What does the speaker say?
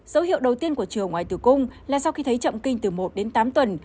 dấu hiệu đầu tiên của trường ngoài tử cung là sau khi thấy chậm kinh từ một đến tám tuần